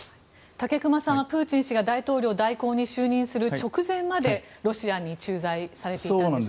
武隈さんはプーチン氏が大統領代行に就任する直前まで、ロシアに駐在されていたんですよね。